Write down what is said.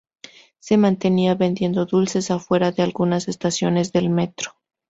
Se mantenía vendiendo dulces a fuera de algunas estaciones del metro.